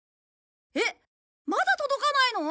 えっまだ届かないの？